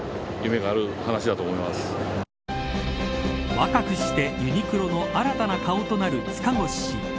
若くしてユニクロの新たな顔となる塚越氏。